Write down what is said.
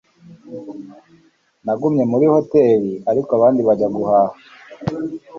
Nagumye muri hoteri, ariko abandi bajya guhaha.